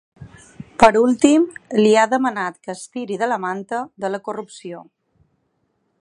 Per últim, li ha demanat que ‘estiri de la manta’ de la corrupció.